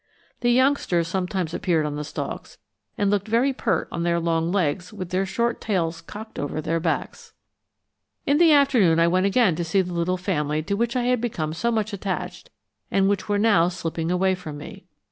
The youngsters sometimes appeared on the stalks, and looked very pert on their long legs with their short tails cocked over their backs. In the afternoon I went again to see the little family to which I had become so much attached and which were now slipping away from me.